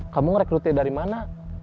kamu ngerekrut dia dari mana